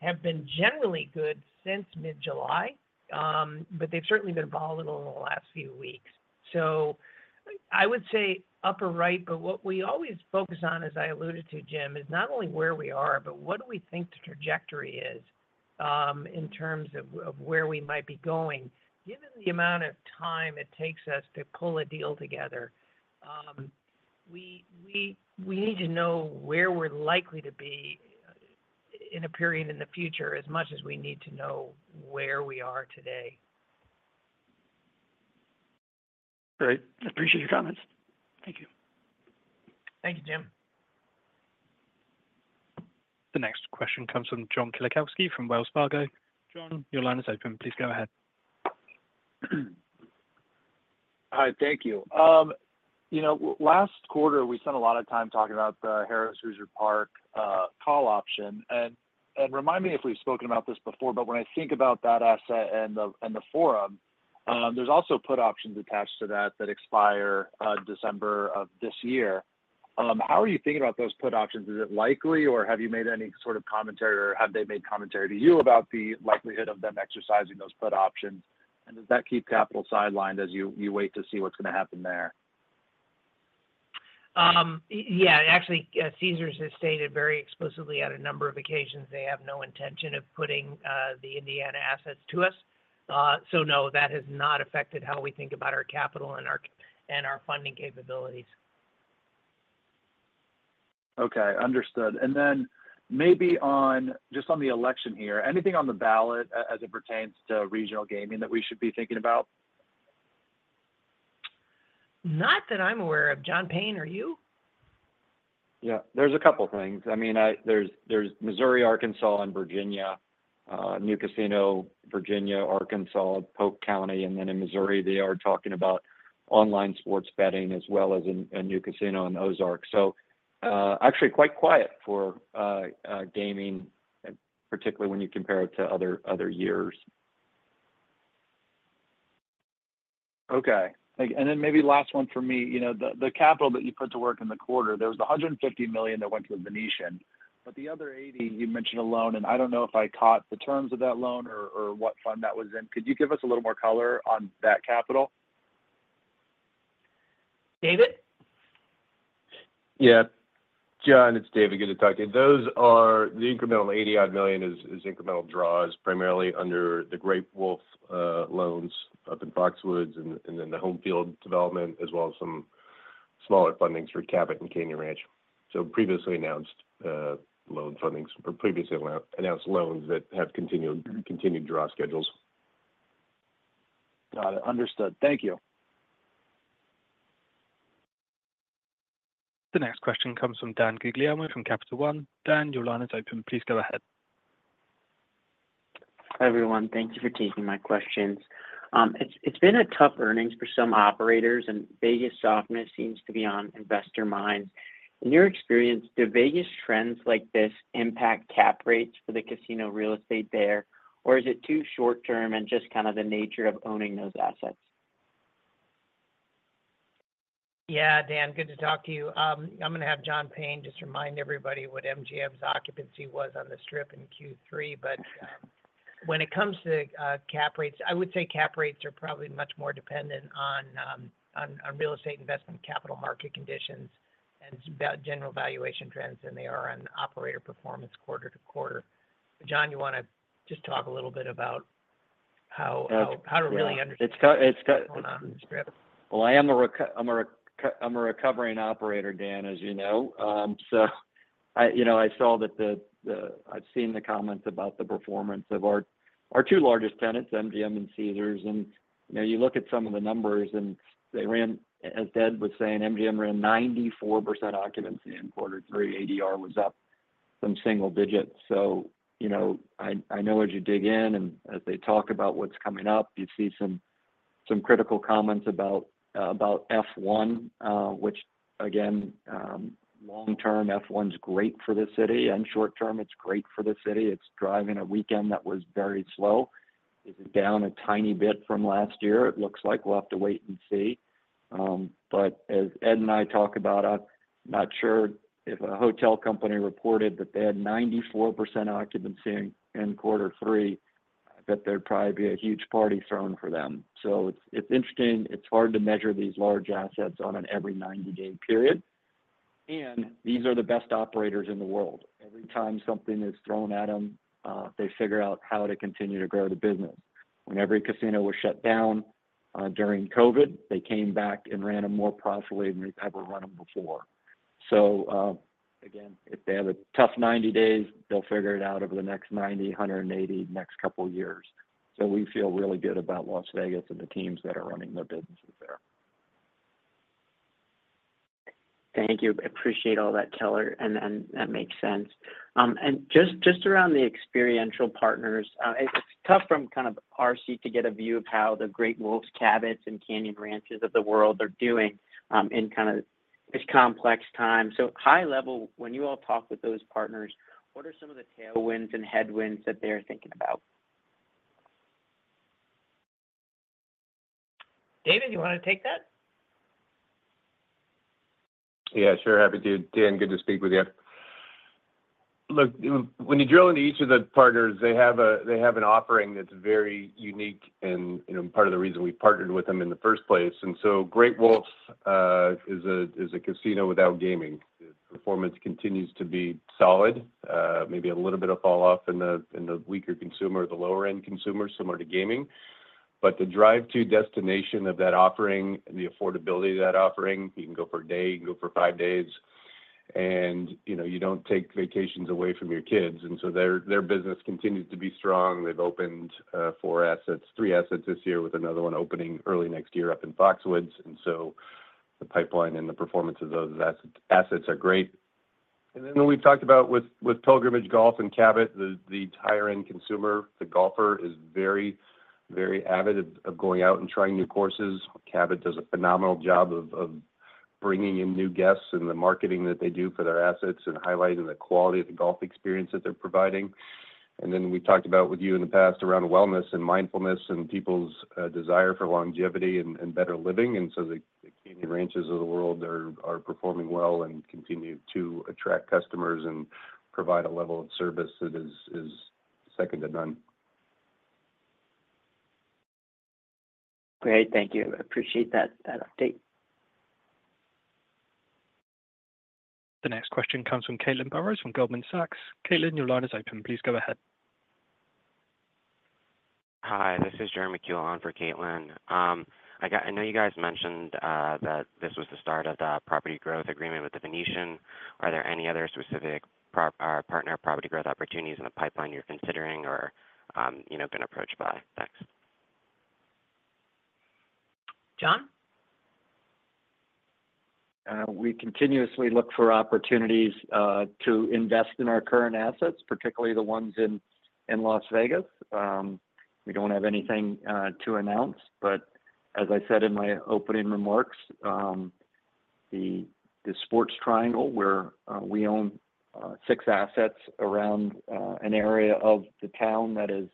have been generally good since mid-July, but they've certainly been volatile in the last few weeks, so I would say upper right. But what we always focus on, as I alluded to, Jim, is not only where we are, but what do we think the trajectory is in terms of where we might be going. Given the amount of time it takes us to pull a deal together, we need to know where we're likely to be in a period in the future as much as we need to know where we are today. Great. Appreciate your comments. Thank you. Thank you, Jim. The next question comes from John Kilichowski from Wells Fargo. John, your line is open. Please go ahead. Hi. Thank you. Last quarter, we spent a lot of time talking about the Harrah's Hoosier Park call option, and remind me if we've spoken about this before, but when I think about that asset and the Caesars Forum, there's also put options attached to that that expire December of this year. How are you thinking about those put options? Is it likely, or have you made any sort of commentary, or have they made commentary to you about the likelihood of them exercising those put options, and does that keep capital sidelined as you wait to see what's going to happen there? Yeah. Actually, Caesars has stated very explicitly on a number of occasions they have no intention of putting the Indiana assets to us. So no, that has not affected how we think about our capital and our funding capabilities. Okay. Understood. And then maybe just on the election here, anything on the ballot as it pertains to regional gaming that we should be thinking about? Not that I'm aware of. John Payne, are you? Yeah. There's a couple of things. I mean, there's Missouri, Arkansas, and Virginia new casino, Virginia, Arkansas, and Pope County. And then in Missouri, they are talking about online sports betting as well as a new casino in Ozarks. So actually quite quiet for gaming, particularly when you compare it to other years. Okay. And then maybe last one for me. The capital that you put to work in the quarter, there was $150 million that went to the Venetian. But the other $80 million, you mentioned a loan. And I don't know if I caught the terms of that loan or what fund that was in. Could you give us a little more color on that capital? David? Yeah. John, it's David. Good to talk to you. The incremental $80-odd million is incremental draws primarily under the Great Wolf loans up in Foxwoods and then the Homefield development, as well as some smaller fundings for Cabot and Canyon Ranch. So previously announced loan fundings or previously announced loans that have continued draw schedules. Got it. Understood. Thank you. The next question comes from Dan Guglielmo from Capital One. Dan, your line is open. Please go ahead. Hi, everyone. Thank you for taking my questions. It's been a tough earnings for some operators, and Vegas softness seems to be on investor minds. In your experience, do Vegas trends like this impact cap rates for the casino real estate there, or is it too short-term and just kind of the nature of owning those assets? Yeah. Dan, good to talk to you. I'm going to have John Payne just remind everybody what MGM's occupancy was on the Strip in Q3. But when it comes to cap rates, I would say cap rates are probably much more dependent on real estate investment capital market conditions and general valuation trends than they are on operator performance quarter to quarter. John, you want to just talk a little bit about how to really understand the Strip? I am a recovering operator, Dan, as you know. So I've seen the comments about the performance of our two largest tenants, MGM and Caesars. And you look at some of the numbers, and as Ed was saying, MGM ran 94% occupancy in quarter three. ADR was up some single digits. So I know as you dig in and as they talk about what's coming up, you see some critical comments about F1, which, again, long-term, F1's great for the city. And short-term, it's great for the city. It's driving a weekend that was very slow. Is it down a tiny bit from last year? It looks like we'll have to wait and see. But as Ed and I talk about, I'm not sure if a hotel company reported that they had 94% occupancy in quarter three, that there'd probably be a huge party thrown for them. So it's interesting. It's hard to measure these large assets on an every 90-day period. And these are the best operators in the world. Every time something is thrown at them, they figure out how to continue to grow the business. When every casino was shut down during COVID, they came back and ran them more profitably than they've ever run them before. So again, if they have a tough 90 days, they'll figure it out over the next 90, 180, next couple of years. So we feel really good about Las Vegas and the teams that are running their businesses there. Thank you. Appreciate all that color. And that makes sense. And just around the experiential partners, it's tough from kind of our seat to get a view of how the Great Wolf, Cabot, and Canyon Ranch of the world are doing in kind of this complex time. So high level, when you all talk with those partners, what are some of the tailwinds and headwinds that they're thinking about? David, you want to take that? Yeah. Sure. Happy to, Dan. Good to speak with you. Look, when you drill into each of the partners, they have an offering that's very unique and part of the reason we partnered with them in the first place. Great Wolf's is a casino without gaming. The performance continues to be solid, maybe a little bit of falloff in the weaker consumer, the lower-end consumer, similar to gaming. The drive-to destination of that offering and the affordability of that offering—you can go for a day, you can go for five days. You don't take vacations away from your kids. Their business continues to be strong. They've opened three assets this year, with another one opening early next year up in Foxwoods. The pipeline and the performance of those assets are great. Then we've talked about with pilgrimage golf and Cabot, the higher-end consumer, the golfer, is very, very avid of going out and trying new courses. Cabot does a phenomenal job of bringing in new guests and the marketing that they do for their assets and highlighting the quality of the golf experience that they're providing. Then we talked about with you in the past around wellness and mindfulness and people's desire for longevity and better living, so the Canyon Ranches of the world are performing well and continue to attract customers and provide a level of service that is second to none. Great. Thank you. Appreciate that update. The next question comes from Caitlin Burrows from Goldman Sachs. Caitlin, your line is open. Please go ahead. Hi. This is Jeremy Kuhl on for Caitlin. I know you guys mentioned that this was the start of the property growth agreement with the Venetian. Are there any other specific partner property growth opportunities in the pipeline you're considering or going to approach by next? John? We continuously look for opportunities to invest in our current assets, particularly the ones in Las Vegas. We don't have anything to announce, but as I said in my opening remarks, the sports triangle where we own six assets around an area of the town that is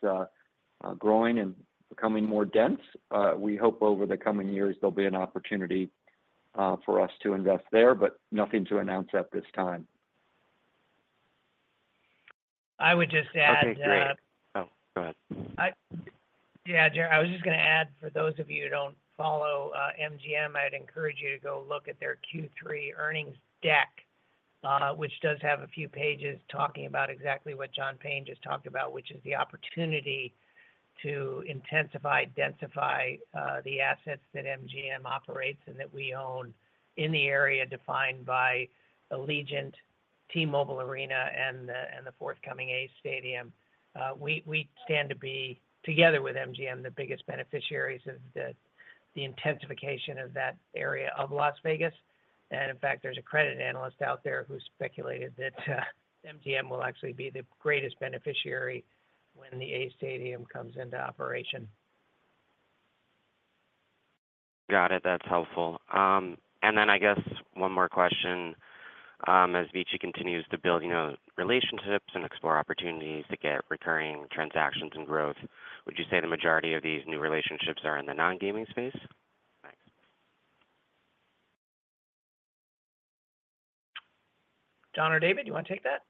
growing and becoming more dense. We hope over the coming years there'll be an opportunity for us to invest there, but nothing to announce at this time. I would just add that. Okay. Great. Oh, go ahead. Yeah. I was just going to add, for those of you who don't follow MGM, I'd encourage you to go look at their Q3 earnings deck, which does have a few pages talking about exactly what John Payne just talked about, which is the opportunity to intensify, densify the assets that MGM operates and that we own in the area defined by Allegiant, T-Mobile Arena, and the forthcoming Oakland A's Stadium. We stand to be, together with MGM, the biggest beneficiaries of the intensification of that area of Las Vegas. And in fact, there's a credit analyst out there who speculated that MGM will actually be the greatest beneficiary when the Oakland A's Stadium comes into operation. Got it. That's helpful. And then I guess one more question. As VICI continues to build relationships and explore opportunities to get recurring transactions and growth, would you say the majority of these new relationships are in the non-gaming space? Thanks. John or David, do you want to take that?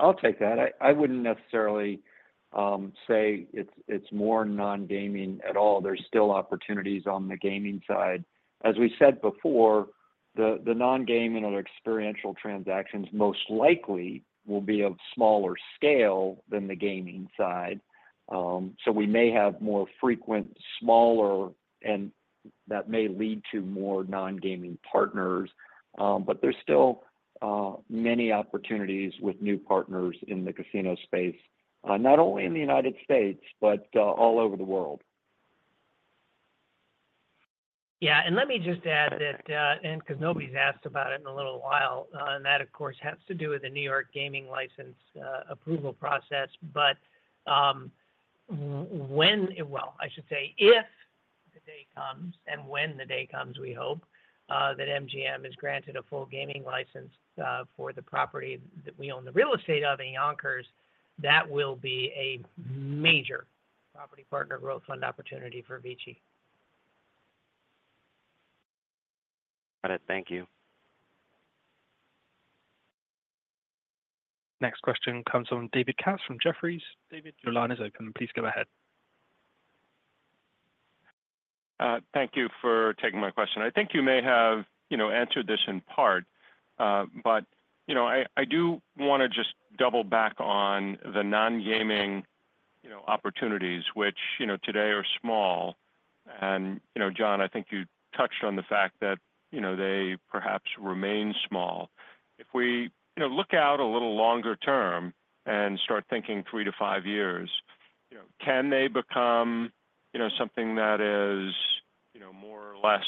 I'll take that. I wouldn't necessarily say it's more non-gaming at all. There's still opportunities on the gaming side. As we said before, the non-gaming or experiential transactions most likely will be of smaller scale than the gaming side. So we may have more frequent, smaller, and that may lead to more non-gaming partners. But there's still many opportunities with new partners in the casino space, not only in the United States, but all over the world. Yeah. And let me just add that, and because nobody's asked about it in a little while, and that, of course, has to do with the New York gaming license approval process, but when, well, I should say, if the day comes, and when the day comes, we hope that MGM is granted a full gaming license for the property that we own the real estate of in Yonkers, that will be a major Partner Property Growth Fund opportunity for VICI. Got it. Thank you. Next question comes from David Katz from Jefferies. David, your line is open. Please go ahead. Thank you for taking my question. I think you may have answered this in part. But I do want to just double back on the non-gaming opportunities, which today are small. And John, I think you touched on the fact that they perhaps remain small. If we look out a little longer term and start thinking three to five years, can they become something that is more or less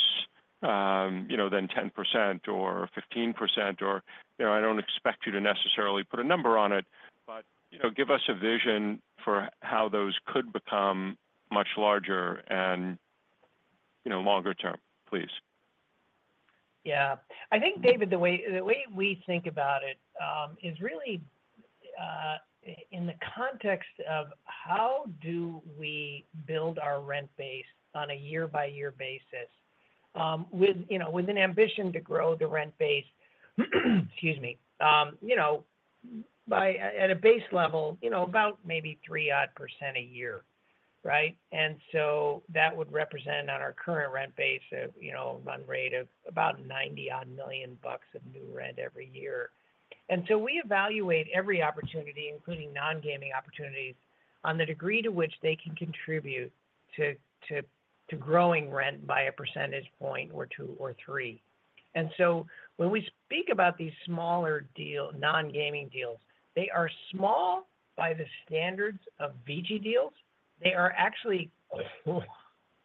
than 10% or 15%? Or I don't expect you to necessarily put a number on it, but give us a vision for how those could become much larger and longer-term, please. Yeah. I think, David, the way we think about it is really in the context of how do we build our rent base on a year-by-year basis with an ambition to grow the rent base, excuse me, by at a base level, about maybe 3% a year, right? And so that would represent on our current rent base a run rate of about $90-odd million of new rent every year. And so we evaluate every opportunity, including non-gaming opportunities, on the degree to which they can contribute to growing rent by a percentage point or two or three. And so when we speak about these smaller non-gaming deals, they are small by the standards of VICI deals. They are actually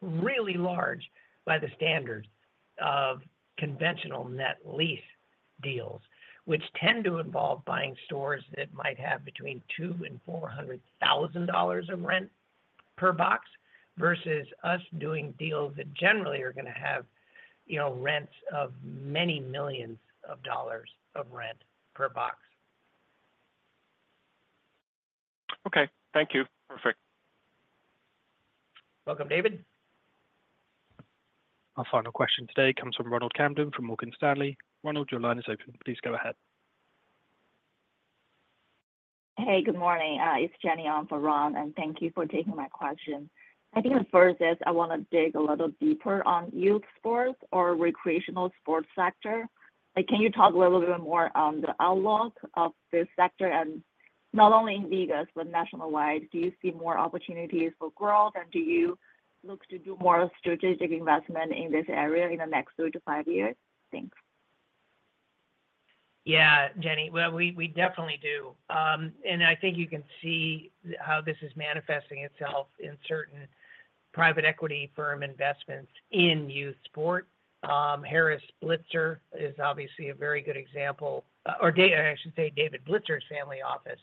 really large by the standards of conventional net lease deals, which tend to involve buying stores that might have between $200,000 and $400,000 of rent per box versus us doing deals that generally are going to have rents of many millions of dollars of rent per box. Okay. Thank you. Perfect. Welcome, David. Our final question today comes from Ronald Kamdem from Morgan Stanley. Ronald, your line is open. Please go ahead. Hey, good morning. It's Jenny on for Ron, and thank you for taking my question. I think the first is I want to dig a little deeper on youth sports or recreational sports sector. Can you talk a little bit more on the outlook of this sector? And not only in Vegas, but nationwide, do you see more opportunities for growth? And do you look to do more strategic investment in this area in the next three-to-five years? Thanks. Yeah, Jenny. Well, we definitely do. And I think you can see how this is manifesting itself in certain private equity firm investments in youth sport. Harris Blitzer is obviously a very good example. Or I should say David Blitzer's family office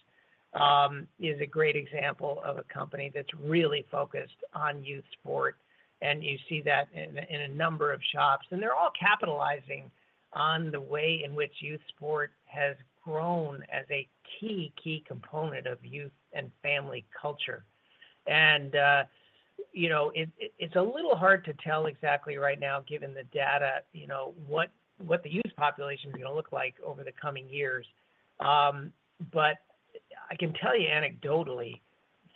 is a great example of a company that's really focused on youth sport. And you see that in a number of shops. And they're all capitalizing on the way in which youth sport has grown as a key, key component of youth and family culture. And it's a little hard to tell exactly right now, given the data, what the youth population is going to look like over the coming years. But I can tell you anecdotally,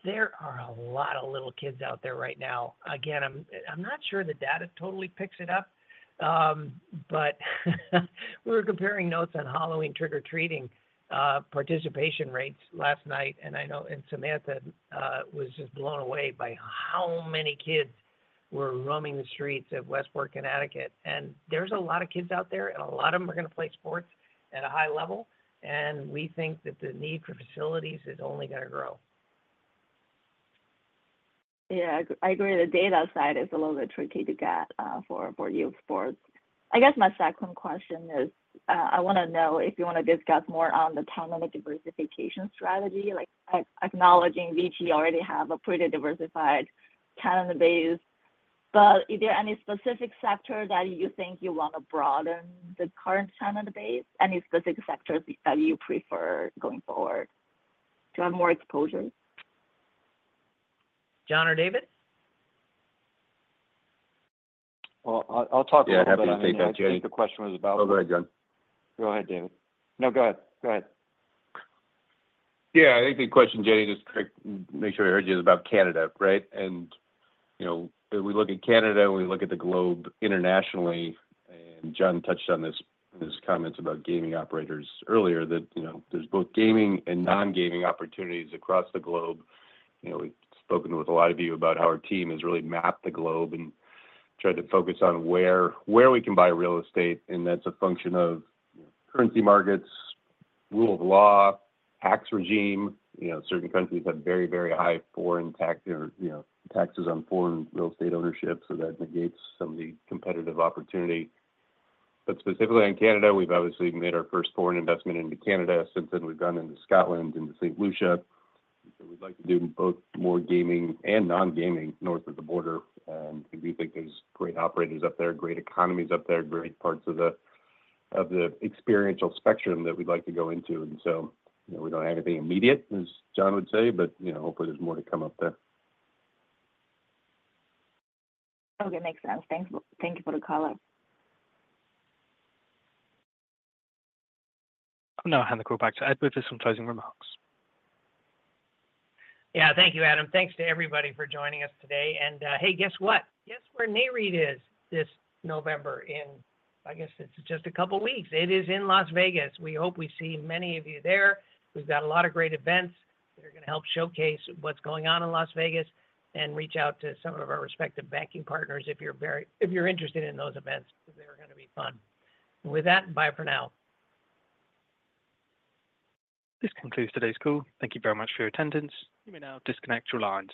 there are a lot of little kids out there right now. Again, I'm not sure the data totally picks it up, but we were comparing notes on Halloween trick-or-treating participation rates last night. And I know Samantha was just blown away by how many kids were roaming the streets of Westport, Connecticut. And there's a lot of kids out there, and a lot of them are going to play sports at a high level. And we think that the need for facilities is only going to grow. Yeah. I agree. The data side is a little bit tricky to get for youth sports. I guess my second question is I want to know if you want to discuss more on the tenant diversification strategy, acknowledging VICI already has a pretty diversified tenant base. But is there any specific sector that you think you want to broaden the current tenant base? Any specific sectors that you prefer going forward to have more exposure? John or David? I'll talk about that. Yeah. I have to take that, Jenny. The question was about. Go ahead, John. Go ahead, David. No, go ahead. Go ahead. Yeah. I think the question, Jenny, just to make sure I heard you, is about Canada, right? And we look at Canada, and we look at the globe internationally. And John touched on this in his comments about gaming operators earlier, that there's both gaming and non-gaming opportunities across the globe. We've spoken with a lot of you about how our team has really mapped the globe and tried to focus on where we can buy real estate. And that's a function of currency markets, rule of law, tax regime. Certain countries have very, very high foreign taxes on foreign real estate ownership, so that negates some of the competitive opportunity. But specifically on Canada, we've obviously made our first foreign investment into Canada. Since then, we've gone into Scotland and to St. Lucia. So we'd like to do both more gaming and non-gaming north of the border. And we do think there's great operators up there, great economies up there, great parts of the experiential spectrum that we'd like to go into. And so we don't have anything immediate, as John would say, but hopefully there's more to come up there. Okay. Makes sense. Thank you for the color. Now, hand it back to Edward for some closing remarks. Yeah. Thank you, Adam. Thanks to everybody for joining us today. And hey, guess what? Guess where Nareit is this November in, I guess it's just a couple of weeks. It is in Las Vegas. We hope we see many of you there. We've got a lot of great events. They're going to help showcase what's going on in Las Vegas and reach out to some of our respective banking partners if you're interested in those events because they're going to be fun. And with that, bye for now. This concludes today's call. Thank you very much for your attendance. You may now disconnect your lines.